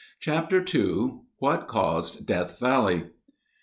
Chapter II What Caused Death Valley?